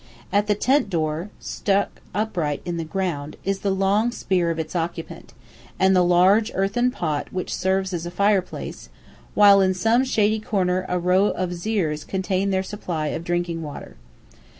At the tent door, stuck upright in the ground, is the long spear of its occupant, and the large earthen pot which serves as fireplace, while in some shady corner a row of zīrs contain their supply of drinking water.